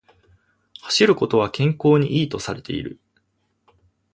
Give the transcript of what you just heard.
走ることは健康に良いとされている